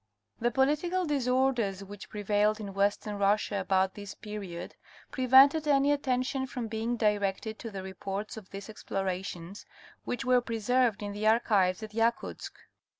The political disorders which prevailed in Western Russia about this period, prevented any attention from being directed to the reports of these explorations, which were preserved in the archives at Yakutsk.